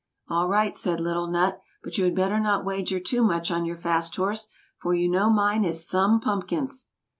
"All right," said little Nutt, "but you had better not wager too much on your fast horse, for you know mine is some pumpkins."